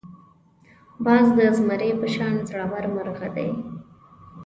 باز د زمري په شان زړور مرغه دی